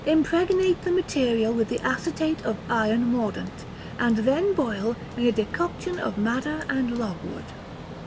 Impregnate the material with the acetate of iron mordant, and then boil in a decoction of madder and logwood.